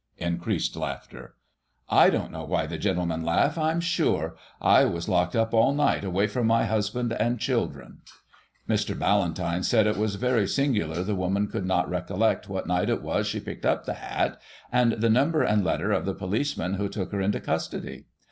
(Increased laughter.) I don't know why the gentlemen laugh, I am sure. I was locked up all night away from my husband and children." Mr. Ballantyne said it was very singular the woman could not recollect what night it was she picked up the hat, and the number and letter of the policeman who took her into custody.